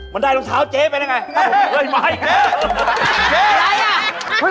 มันได้รองเท้าเจ๊ไปไหน